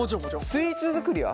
スイーツ作りは？